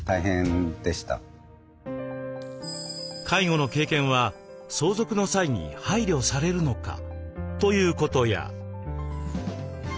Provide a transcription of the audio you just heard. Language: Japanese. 介護の経験は相続の際に配慮されるのか？ということや。